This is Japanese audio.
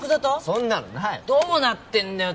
そんなのないどうなってんだよ